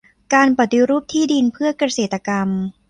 การปฏิรูปที่ดินเพื่อเกษตรกรรม